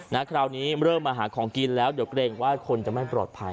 คราวนี้เริ่มมาหาของกินแล้วเดี๋ยวเกรงว่าคนจะไม่ปลอดภัย